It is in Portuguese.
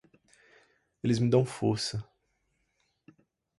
Eles me dão força.